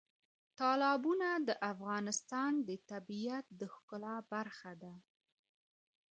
تالابونه د افغانستان د طبیعت د ښکلا برخه ده.